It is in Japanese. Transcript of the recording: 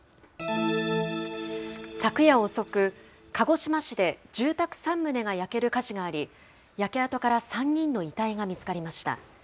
昨夜遅く、鹿児島市で住宅３棟が焼ける火事があり、焼け跡から３人の遺体が見つかりました。